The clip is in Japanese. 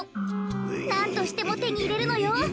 なんとしてもてにいれるのよ。